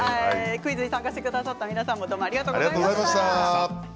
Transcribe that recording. クイズに参加してくださった皆さんありがとうございました。